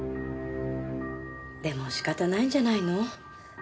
でも仕方ないんじゃないの？